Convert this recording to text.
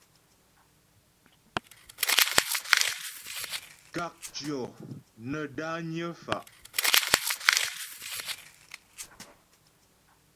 Kákcyɔ́ nə́ dányə́ fá'.